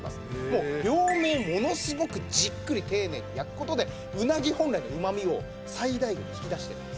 両面ものすごくじっくり丁寧に焼く事でうなぎ本来のうまみを最大限に引き出してるんです。